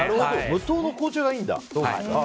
無糖の紅茶がいいんだ。